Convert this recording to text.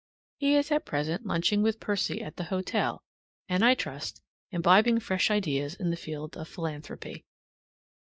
He is at present lunching with Percy at the hotel, and, I trust, imbibing fresh ideas in the field of philanthropy.